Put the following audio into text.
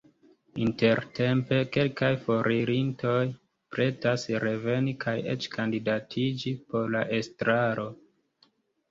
Intertempe kelkaj foririntoj pretas reveni kaj eĉ kandidatiĝi por la estraro.